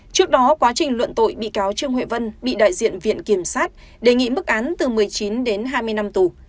trước đó quá trình luận tội bị cáo trương huệ vân bị đại diện viện kiểm sát đề nghị mức án từ một mươi chín đến hai mươi năm tù